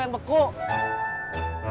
nah empel nggak tau